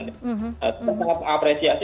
kita sangat mengapresiasi